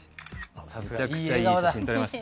めちゃくちゃいい写真撮れました